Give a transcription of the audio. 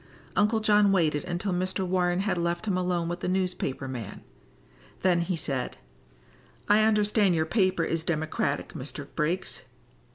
Uncle John waited until Mr. Warren had left him alone with the newspaper man. Then he said: "I understand your paper is Democratic, Mr. Briggs."